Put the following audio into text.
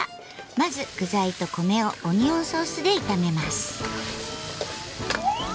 まず具材とコメをオニオンソースで炒めます。